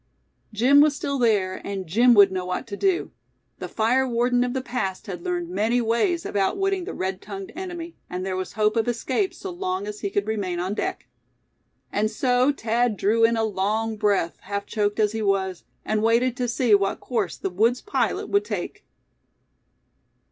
Jim was still there, and Jim would know what to do. The fire warden of the past had learned many ways of outwitting the red tongued enemy; and there was hope of escape so long as he could remain on deck. And so Thad drew in a long breath, half choked as he was, and waited to see what course the woods' pilot would take.